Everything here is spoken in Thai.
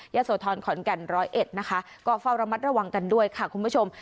โสธรขอนแก่นร้อยเอ็ดนะคะก็เฝ้าระมัดระวังกันด้วยค่ะคุณผู้ชม